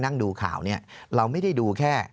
นั่งดูข่าวนี้เราไม่ได้ดูแค่